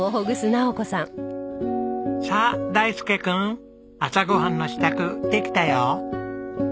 さあ大介君朝ご飯の支度できたよ。